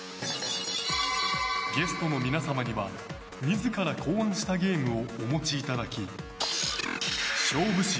ゲストの皆様には自ら考案したゲームをお持ちいただき勝負師